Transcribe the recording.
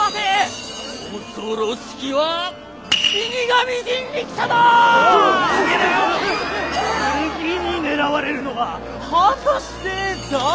次に狙われるのは果たして誰か。